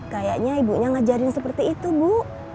kayaknya ibunya ngajarin seperti itu bu